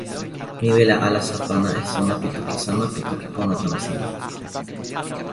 mi wile alasa pana e sona pi toki sama pi toki pona tawa sina.